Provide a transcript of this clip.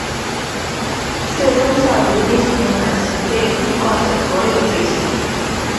最终向汝霖承认了其被控告的所有罪行。